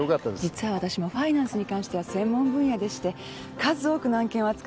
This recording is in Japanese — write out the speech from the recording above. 実はわたしもファイナンスに関しては専門分野でして数多くの案件を扱ってきました。